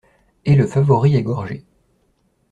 Et le favori est gorgé.